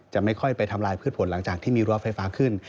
ไม่ค่อยไปทำลายพืชผลหลังจากที่มีรั้วไฟฟ้าขึ้น